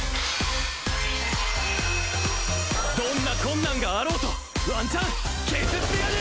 どんな困難があろうとワンチャンケズってやる！